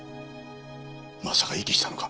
まさか遺棄したのか？